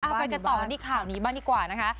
ไปกันต่อดนี้ข่าวบ้านดีกว่านะคะ